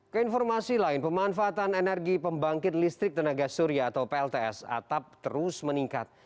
keinformasi lain pemanfaatan energi pembangkit listrik tenaga surya atau plts atap terus meningkat